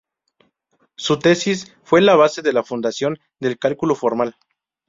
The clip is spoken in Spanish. Su tesis fue la base de la fundación del cálculo formal.